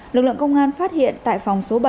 lực lượng công an phát hiện tại phòng số bảy